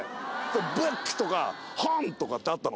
「ＢＯＯＫ」とか「本」とかってあったの。